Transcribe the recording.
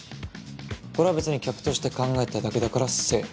これはべつに客として考えてただけだからセーフ。